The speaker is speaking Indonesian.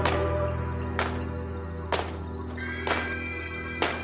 jangan lupa like dan subscribe video ini